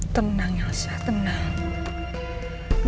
tenang yasa tenang